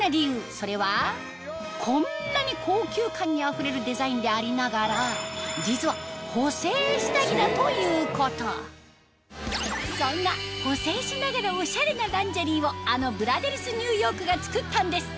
それはこんなに高級感にあふれるデザインでありながら実は補整下着だということそんな補整しながらおしゃれなランジェリーをあのブラデリスニューヨークが作ったんです